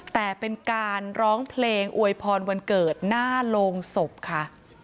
แต่เป็นการร้องเพลงอวยพรวันเกิดหน้าโรงศพค่ะ